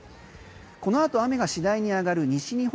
このあと雨が次第に上がる西日本。